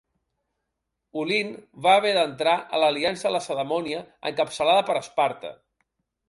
Olint va haver d'entrar a l'aliança lacedemònia encapçalada per Esparta.